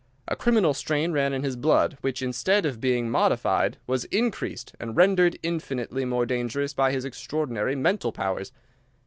A criminal strain ran in his blood, which, instead of being modified, was increased and rendered infinitely more dangerous by his extraordinary mental powers.